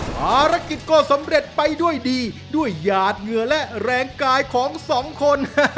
ภารกิจก็สำเร็จไปด้วยดีด้วยหยาดเหงื่อและแรงกายของสองคน